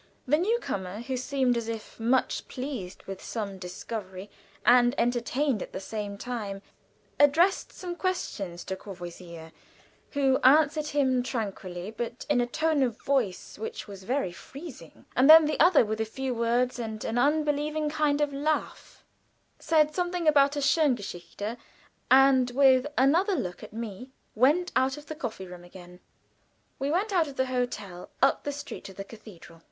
The new comer, who seemed as if much pleased with some discovery, and entertained at the same time, addressed some questions to Courvoisier, who answered him tranquilly but in a tone of voice which was very freezing; and then the other, with a few words and an unbelieving kind of laugh, said something about a schöne Geschichte, and, with another look at me, went out of the coffee room again. We went out of the hotel, up the street to the cathedral.